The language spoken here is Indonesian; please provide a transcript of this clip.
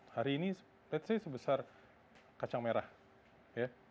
hari ini sebesar kacang merah